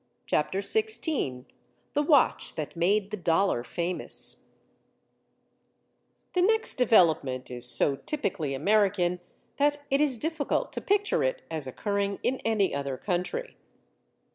CHAPTER SIXTEEN "The Watch That Made the Dollar Famous" The next development is so typically American that it is difficult to picture it as occurring in any other country.